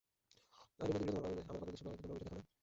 আর এ নদীগুলো আমার পাদদেশে প্রবাহিত, তোমরা এটা দেখ না?